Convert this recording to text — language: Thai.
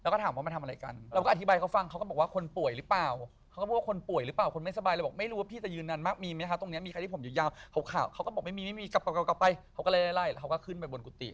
เขาก็เลยไล่แล้วก็ขึ้นไปบนกุฎิ